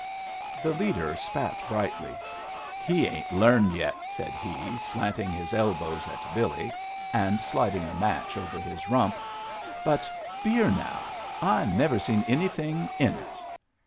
The leader spat brightly. "He ain't learned yet," said he, slanting his elbows at Billy and sliding a match over his rump. "But beer, now I never seen anything in it."